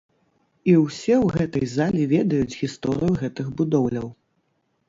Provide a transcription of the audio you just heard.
І ўсе ў гэтай залі ведаюць гісторыю гэтых будоўляў.